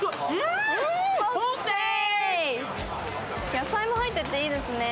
野菜も入ってて、いいですね。